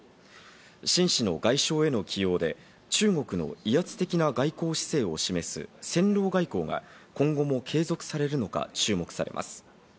シン氏の外相への起用で、中国の威圧的な外交姿勢を示す戦狼外交が今後も継続されるのか注目です。